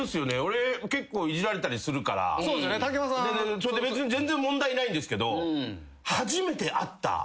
それって別に全然問題ないんですけど。